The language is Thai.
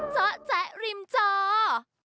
เจาะแจ๊ะริมจอ